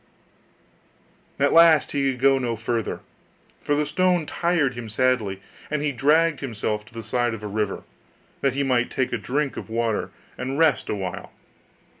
At last he could go no farther, for the stone tired him sadly: and he dragged himself to the side of a river, that he might take a drink of water, and rest a while.